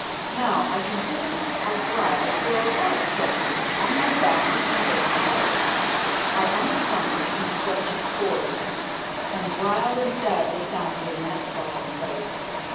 Now, I considered a while till a thought struck me. On my back was my beggar's harp. I unslung it and swept its chords, and wild and sad they sounded in that solemn place.